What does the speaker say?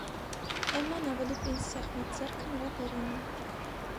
Էմման ավելի պինդ սեղմեց ձեռքը նրա բերանին: